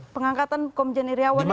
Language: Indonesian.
pengangkatan komjen iryawan ini pak